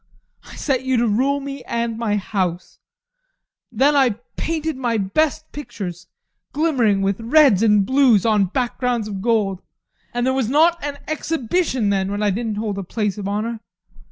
I set you to rule me and my house. Then I painted my best pictures, glimmering with reds and blues on backgrounds of gold, and there was not an exhibition then where I didn't hold a place of honour.